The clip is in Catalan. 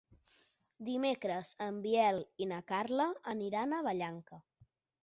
Dimecres en Biel i na Carla aniran a Vallanca.